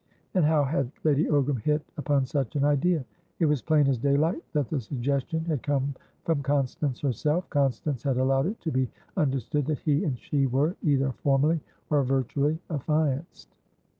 And how had Lady Ogram hit upon such an idea? It was plain as daylight that the suggestion had come from Constance herself. Constance had allowed it to be understood that he and she were, either formally, or virtually, affianced.